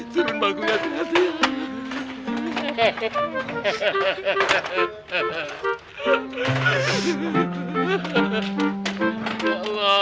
turun bangku nyati nyati ya